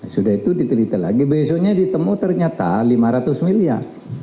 sudah itu diterita lagi besoknya ditemu ternyata lima ratus miliar